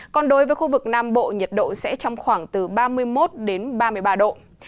còn đối với khu vực nam bộ nhiệt độ sẽ trong khoảng từ ba mươi một đến ba mươi ba độ